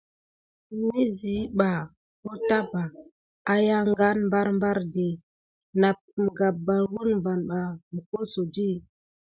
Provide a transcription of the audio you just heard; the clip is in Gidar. Nisiba hotaba ayangane barbardi naprime gaban wune vapay mikesodi.